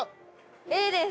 Ａです。